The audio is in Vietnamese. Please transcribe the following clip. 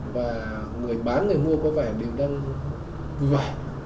và người bán người mua có vẻ đều đang vẻ